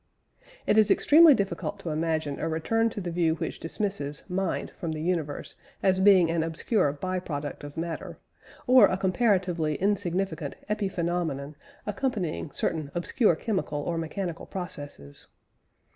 It is extremely difficult to imagine a return to the view which dismisses "mind" from the universe as being an obscure by product of matter, or a comparatively insignificant "epiphenomenon" accompanying certain obscure chemical or mechanical processes.